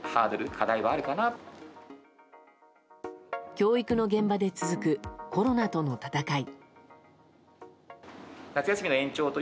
教育の現場で続くコロナとの闘い。